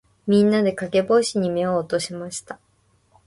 みんなで、かげぼうしに目を落としました。